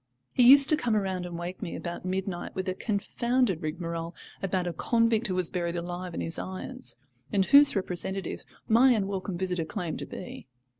He used to come round and wake me about midnight with a confounded rigmarole about a convict who was buried alive in his irons, and whose representative my unwelcome visitor claimed to be.